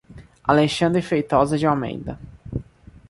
Alexandre Feitosa de Almeida